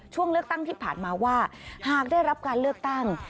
ช่วงเลือกตั้งที่ผ่านมาว่าหากได้รับการเลือกตั้ง